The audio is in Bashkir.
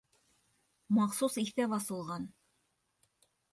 Махсус иҫәп асылған